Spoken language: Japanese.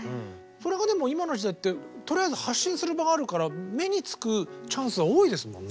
それがでも今の時代ってとりあえず発信する場があるから目に付くチャンスは多いですもんね。